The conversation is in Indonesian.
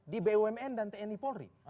di bumn dan tni polri